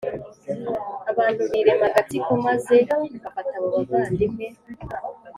Abantu birema agatsiko maze bafata abo bavandimwe